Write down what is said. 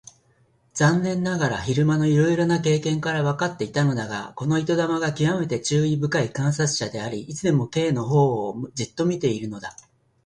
残念ながら昼間のいろいろな経験からわかっていたのだが、この糸玉がきわめて注意深い観察者であり、いつでも Ｋ のほうをじっと見ているのだ。